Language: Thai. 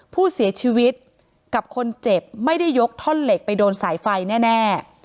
ผู้เสียชีวิตกับคนเจ็บไม่ได้ยกท่อนเหล็กไปโดนสายไฟแน่